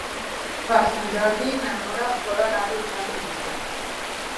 Per Sant Jordi na Nora vol anar a visitar mon oncle.